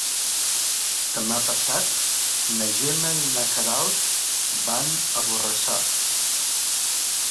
Demà passat na Gemma i na Queralt van a Borrassà.